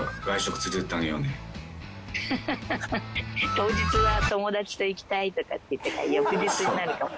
「当日は友達と行きたいとかって言ってるから翌日になるかも」